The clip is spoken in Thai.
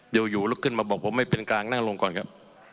อยู่ลุกขึ้นมาบอกผมไม่เป็นกลางนั่งลงก่อนครับ